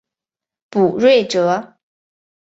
卜睿哲。